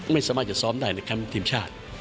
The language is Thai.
ไม่สามารถจะซ้อมได้ในแคมป์ทีมชาติ